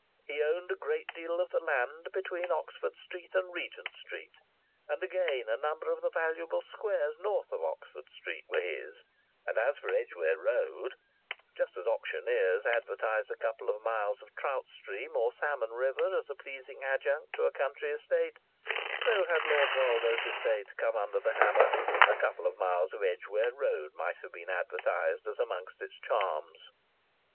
He owned a great deal of the land between Oxford Street and Regent Street, and again a number of the valuable squares north of Oxford Street were his, and as for Edgware Road just as auctioneers advertise a couple of miles of trout stream or salmon river as a pleasing adjunct to a country estate, so, had Lord Woldo's estate come under the hammer, a couple of miles of Edgware Road might have been advertised as among its charms.